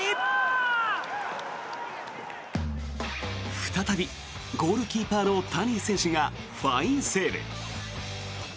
再びゴールキーパーの谷選手がファインセーブ。